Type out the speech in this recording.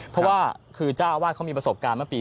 เพราะว่าคือเจ้าอาวาสเขามีประสบการณ์เมื่อปี